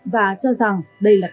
và cho rằng đây là cách